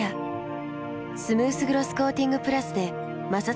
スムースグロスコーティングプラスで摩擦ダメージも低減。